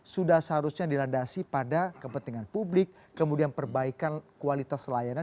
sudah seharusnya dilandasi pada kepentingan publik kemudian perbaikan kualitas layanan